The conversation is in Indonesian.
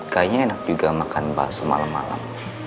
kayaknya enak juga makan bakso malam malam